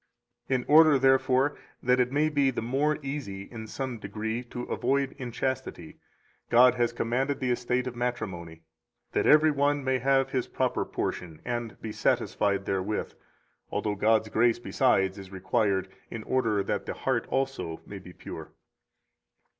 In order, therefore, that it may be the more easy in some degree to avoid inchastity, God has commanded the estate of matrimony, that every one may have his proper portion and be satisfied therewith; although God's grace besides is required in order that the heart also may be pure.